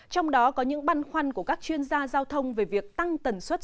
trong đó có những băn khoăn của các chuyên gia giao thông về việc tăng tần suất